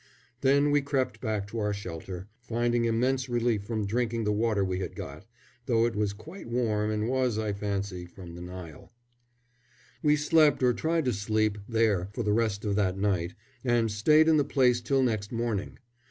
Then we crept back to our shelter, finding immense relief from drinking the water we had got, though it was quite warm and was, I fancy, from the Nile. We slept, or tried to sleep, there for the rest of that night, and stayed in the place till next morning.